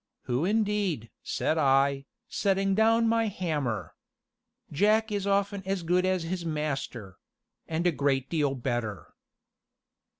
"Who indeed?" said I, setting down my hammer. "Jack is often as good as his master and a great deal better."